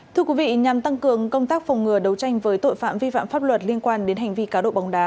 thưa quý vị nhằm tăng cường công tác phòng ngừa đấu tranh với tội phạm vi phạm pháp luật liên quan đến hành vi cá độ bóng đá